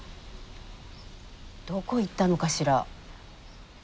どこ行ったのかしら。